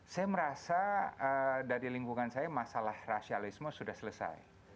saya merasa dari lingkungan saya masalah rasialisme sudah selesai